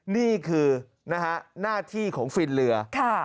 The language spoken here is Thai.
นี่คือหน้าที่ของฟินเรือ